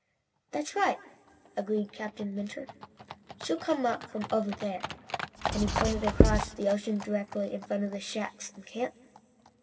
"That's right," agreed Captain Mentor. "She'll come up from over there," and he pointed across the ocean directly in front of the shacks and camp.